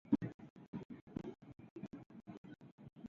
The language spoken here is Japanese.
二十世紀梨